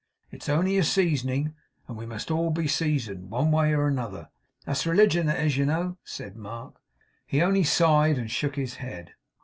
It's only a seasoning, and we must all be seasoned, one way or another. That's religion that is, you know,' said Mark. He only sighed and shook his head.